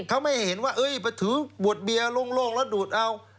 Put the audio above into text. เขาไม่ให้เห็นว่าเอ๊ยถือบวชเบียร่งแล้วดูดเอา